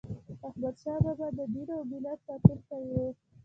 احمدشاه بابا د دین او ملت ساتونکی و.